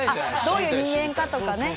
どういう人間かとかね。